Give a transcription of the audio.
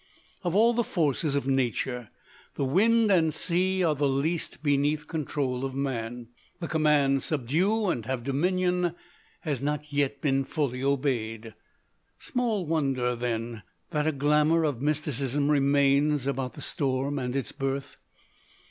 Of all the forces of nature the wind and sea are least beneath control of man. The command "Subdue and have dominion" has not yet been fully obeyed. Small wonder, then, that a glamour of mysticism remains about the storm and its birth.